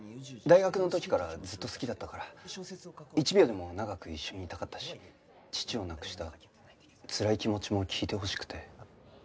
大学の時からずっと好きだったから一秒でも長く一緒にいたかったし父を亡くしたつらい気持ちも聞いてほしくて。